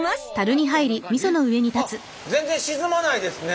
あっ全然沈まないですね。